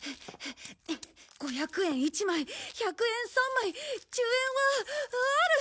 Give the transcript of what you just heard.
５００円１枚１００円３枚１０円はある！